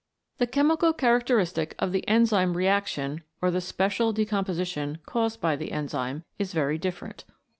The chemical characteristic of the enzyme reaction or the special decomposition caused by the enzyme is very different.